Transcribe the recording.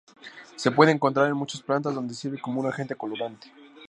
Se puede encontrar en muchas plantas, donde sirve como un agente colorante.